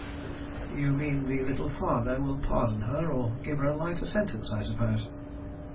"You mean that the Little Father will pardon her or give her a lighter sentence, I suppose."